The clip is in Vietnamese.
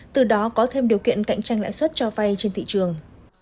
từ đó có thêm điều kiện cạnh tranh lãi suất cho vay trên thị trường